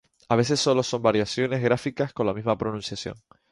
A veces solo son variaciones gráficas con la misma pronunciación.